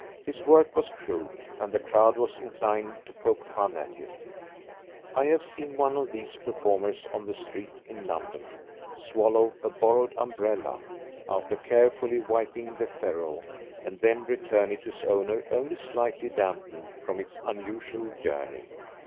His work was crude, and the crowd was inclined to poke fun at him. I have seen one of these performers on the street, in London, swallow a borrowed umbrella, after carefully wiping the ferrule, and then return it to its owner only slightly dampened from its unusual journey.